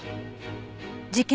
事件